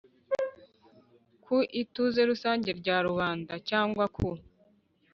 Ku ituze rusange rya rubanda cyangwa ku